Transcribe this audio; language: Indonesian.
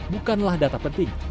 bukanlah data penting